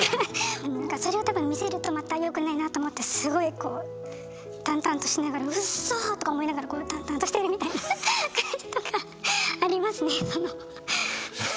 なんかそれを多分見せるとまたよくないなと思ってすごいこう淡々としながら「うっそ」とか思いながら淡々としてるみたいな感じとかありますねその。